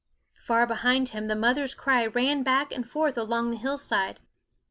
Far behind him the mother's cry ran back and forth along the hillside.